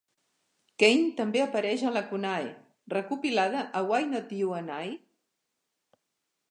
Kane també apareix a "Lacunae", recopilada a "Why Not You and I?".